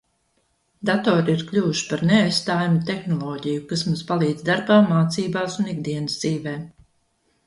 Datori ir kļuvuši par neaizstājamu tehnoloģiju, kas mums palīdz darbā, mācībās un ikdienas dzīvē.